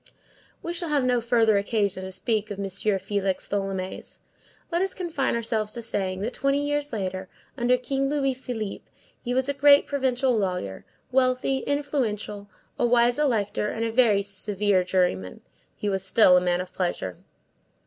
We shall have no further occasion to speak of M. Félix Tholomyès. Let us confine ourselves to saying, that, twenty years later, under King Louis Philippe, he was a great provincial lawyer, wealthy and influential, a wise elector, and a very severe juryman; he was still a man of pleasure.